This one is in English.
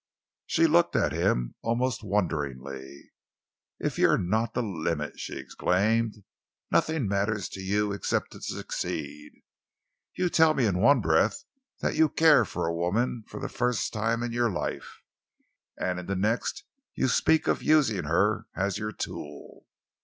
She looked at him almost wonderingly. "If you're not the limit!" she exclaimed. "Nothing matters to you except to succeed. You tell me in one breath that you care for a woman for the first time in your life, and in the next you speak of using her as your tool!"